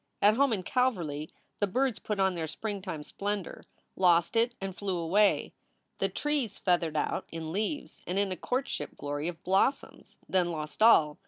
At home in Calverly the birds put on their springtime splendor, lost it, and flew away. The trees feathered out in leaves and in a courtship glory of blossoms, then lost all.